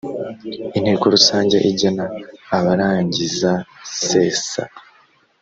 inteko rusange igena abarangizasesa